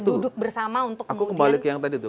duduk bersama untuk kembali ke yang tadi tuh